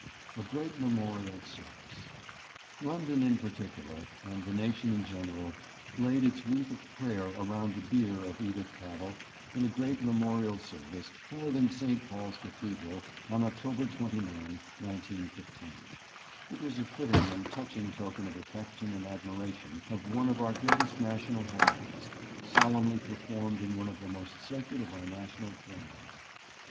A GREAT MEMORIAL SERVICE. London in particular, and the nation in general, laid its wreath of prayer around the bier of Edith Cavell in a great memorial service held in St. Paul's Cathedral on October 29, 1915. It was a fitting and touching token of affection and admiration of one of our greatest national heroines, solemnly performed in one of the most sacred of our national shrines.